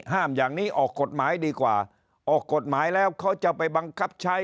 อย่างนี้ออกกฎหมายดีกว่าออกกฎหมายแล้วเขาจะไปบังคับใช้